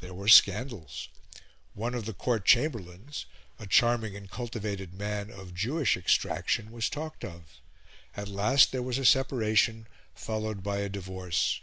There were scandals: one of the Court Chamberlains, a charming and cultivated man of Jewish extraction, was talked of; at last there was a separation, followed by a divorce.